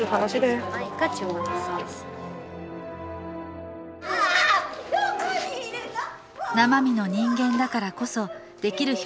生身の人間だからこそできる表現があるはず。